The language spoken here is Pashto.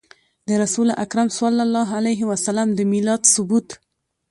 د رسول اکرم صلی الله عليه وسلم د ميلاد ثبوت